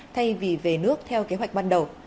thay vì về nước theo kế hoạch ban đầu